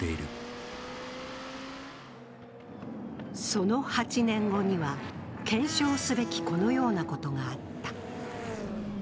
その８年後には、検証すべきこのようなことがあった。